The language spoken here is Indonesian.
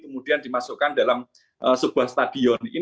kemudian dimasukkan dalam sebuah stadion